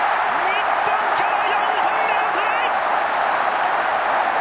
日本今日４本目のトライ！